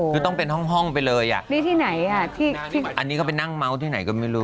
คือต้องเป็นห้องไปเลยอ่ะนี่ที่ไหนอ่ะที่อันนี้เขาไปนั่งเมาส์ที่ไหนก็ไม่รู้